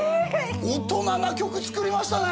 大人な曲作りましたね